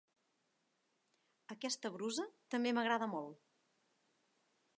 Aquesta brusa també m'agrada molt.